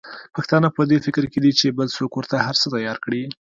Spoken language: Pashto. پښتانه په دي فکر کې دي چې بل څوک ورته هرڅه تیار کړي.